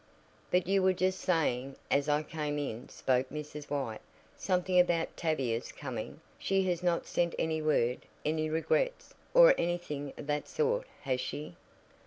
"But you were just saying, as I came in," spoke Mrs. White, "something about Tavia's coming. She has not sent any word any regrets, or anything of that sort, has she?"